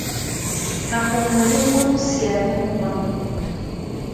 Nako nngwe le nngwe go siame mo go nna.